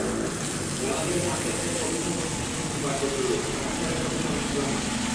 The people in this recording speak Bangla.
জানালা দিয়ে চাঁদ দেখতেন কবিটোকন ঠাকুরনিপাট ভদ্রলোক, ঢাকা শহরের কবি শামসুর রাহমান।